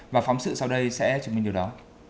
và phóng sự sau đây sẽ chứng minh điều đó